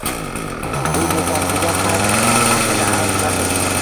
Uy bekasiga xat haqida aytmadim.